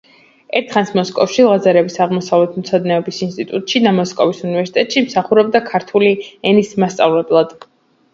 ერთხანს მოსკოვში ლაზარევის აღმოსავლეთმცოდნეობის ინსტიტუტში და მოსკოვის უნივერსიტეტში მსახურობდა ქართული ენის მასწავლებლად.